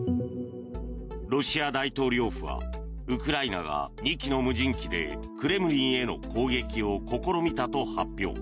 ロシア大統領府はウクライナが２機の無人機でクレムリンへの攻撃を試みたと発表。